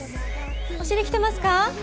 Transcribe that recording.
お尻きてますか？